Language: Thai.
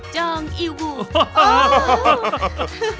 จองอิวูว่ะ